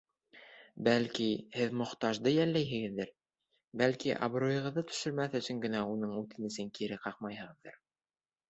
Бәлки, һеҙ мохтажды йәлләйһегеҙҙер, бәлки, абруйығыҙҙы төшөрмәҫ өсөн генә уның үтенесен кире ҡаҡмайһығыҙҙыр?